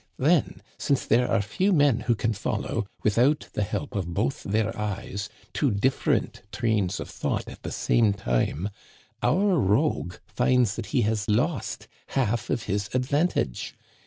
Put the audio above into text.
Then, since there are few men who can follow, without the help of both their eyes, two different trains of thought at the same time, our rogue finds that he has lost half of his advantage.